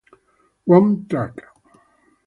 Wrong track!